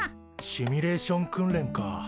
シミュレーション訓練か。